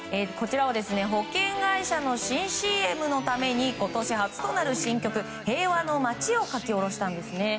保険会社の新ＣＭのために今年初となる新曲「平和の街」を書き下ろしたんですね。